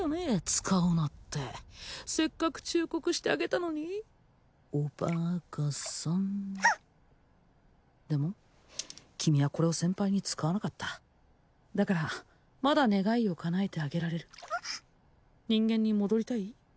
使うなってせっかく忠告してあげたのにおばーかさんはうでも君はこれを先輩に使わなかっただからまだ願いを叶えてあげられる人間に戻りたい？